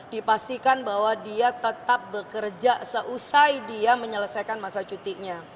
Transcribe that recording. dipastikan bahwa dia tetap bekerja seusai dia menyelesaikan masa cutinya